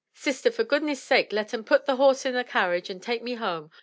"Sister, for goodness' sake let 'em put the horse in the carriage and take me home.